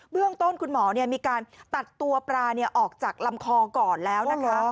เรื่องต้นคุณหมอมีการตัดตัวปลาออกจากลำคอก่อนแล้วนะคะ